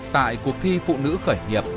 tại cuộc thi phụ nữ khởi nghiệp